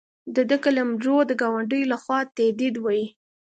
د ده قلمرو د ګاونډیو له خوا تهدید وي.